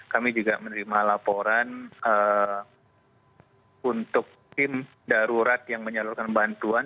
kami juga menerima laporan untuk tim darurat yang menyalurkan bantuan